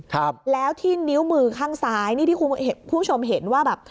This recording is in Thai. ครับแล้วที่นิ้วมือข้างซ้ายนี่ที่คุณผู้ชมเห็นว่าแบบ